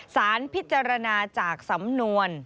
สารพิจารณาจากสำนวน